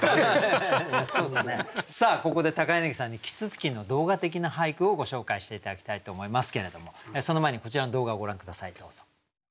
ここで柳さんに啄木鳥の動画的な俳句をご紹介して頂きたいと思いますけれどもその前にこちらの動画をご覧下さいどうぞ。